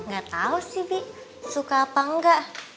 gak tau sih fik suka apa enggak